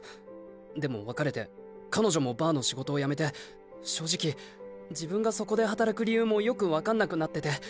でも別れて彼女もバーの仕事を辞めて正直自分がそこで働く理由もよく分かんなくなってて。